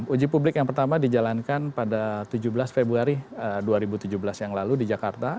uji publik yang pertama dijalankan pada tujuh belas februari dua ribu tujuh belas yang lalu di jakarta